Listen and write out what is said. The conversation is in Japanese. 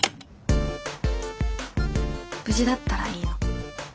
無事だったらいいの。